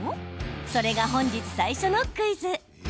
それが本日、最初のクイズ。